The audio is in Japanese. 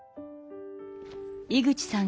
井口さん